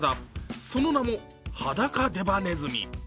その名も、ハダカデバネズミ。